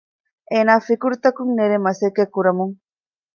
އޭނާ ފިކުރުތަކުން ނެރެން މަސައްކަތްކުރަމުން